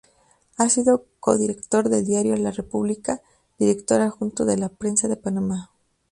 Ha sido codirector del diario "La República", director adjunto de "La Prensa" de Panamá.